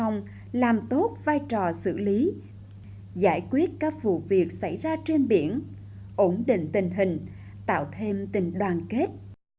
làm tốt vai trò xử lý giải quyết các vụ việc xảy ra trên biển ổn định tình hình tạo thêm tình đoàn kết